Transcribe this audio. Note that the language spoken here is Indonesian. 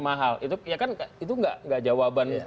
mahal itu ya kan itu nggak jawaban